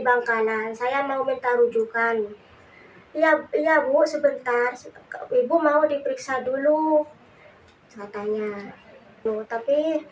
bang kanan saya mau minta rujukan ya iya bu sebentar ibu mau diperiksa dulu katanya tapi